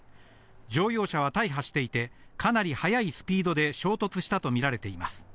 乗用車は大破していて、かなり速いスピードで衝突したと見られています。